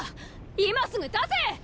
今すぐ出せ！